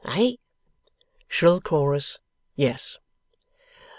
Eh?' Shrill chorus. 'Yes!